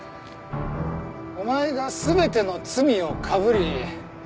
お前が全ての罪をかぶり